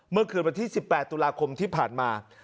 เมื่อคืนวันที่๑๘ตุลาคมที่ผ่านมา